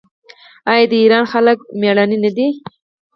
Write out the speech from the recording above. آیا د ایران خلک میړني نه دي؟